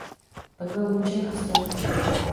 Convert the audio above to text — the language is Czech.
Pak byl mučen a sťat.